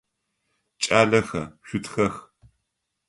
Кӏалэхэ, шъутхэх!